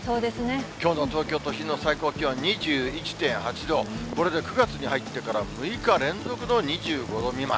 きょうの東京都心の最高気温２１．８度、これで９月に入ってから、６日連続の２５度未満。